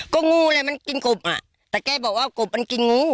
ก็งูแหละมันกินกบอ่ะแต่แกบอกว่ากบมันกินงู